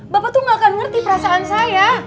bapak tuh gak akan ngerti perasaan saya